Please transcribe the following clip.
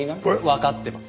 わかってます。